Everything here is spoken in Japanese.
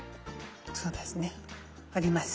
そうですね。あります。